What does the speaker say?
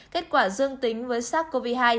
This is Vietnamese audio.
kết quả dương tính với sars cov hai